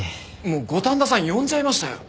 もう五反田さん呼んじゃいましたよ。